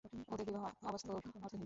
ওদের বিবাহ অবাস্তব, অর্থহীন।